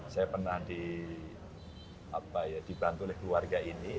saya pernah dibantu oleh keluarga ini